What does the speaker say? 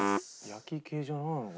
焼き系じゃないのかな？